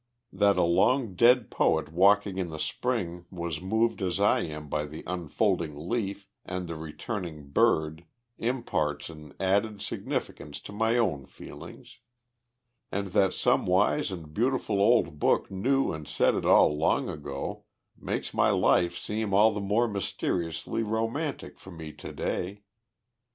That a long dead poet walking in the Spring was moved as I am by the unfolding leaf and the returning bird imparts an added significance to my own feelings; and that some wise and beautiful old book knew and said it all long ago, makes my life seem all the more mysteriously romantic for me to day.